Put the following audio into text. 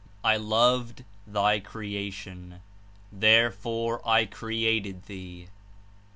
I loved thy creation; therefore I created thee.